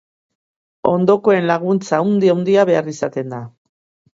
Ondokoen laguntza handi-handia behar izaten da.